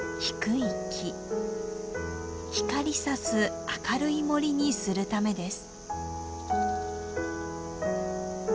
光さす明るい森にするためです。